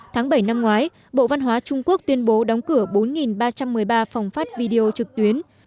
tháng bảy năm ngoái bộ văn hóa trung quốc tuyên bố đóng cửa bốn ba trăm một mươi ba phòng phát video trực tuyến